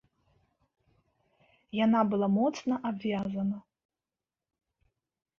Яна была моцна абвязана.